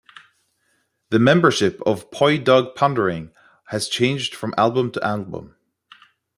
The membership of Poi Dog Pondering has changed from album to album.